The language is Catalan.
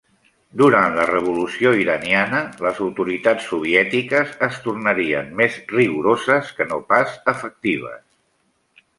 Durant la revolució iraniana, les autoritats soviètiques es tornarien més rigoroses, que no pas efectives.